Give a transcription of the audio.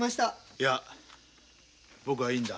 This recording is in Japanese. いや僕はいいんだ。